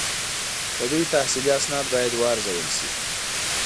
د دوی تحصیلي اسناد باید وارزول شي.